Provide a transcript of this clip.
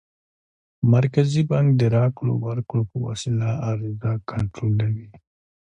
مرکزي بانک د راکړو ورکړو په وسیله عرضه کنټرولوي.